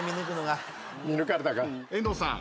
遠藤さん